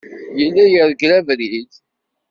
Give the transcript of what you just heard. Yella yergel abrid.